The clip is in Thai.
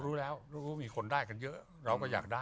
รู้แล้วรู้มีคนได้กันเยอะเราก็อยากได้